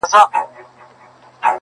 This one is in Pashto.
تا ولي په مسکا کي قهر وخندوئ اور ته,